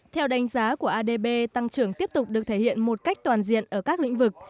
theo đánh giá của adb tăng trưởng tiếp tục được thể hiện một cách toàn diện ở các lĩnh vực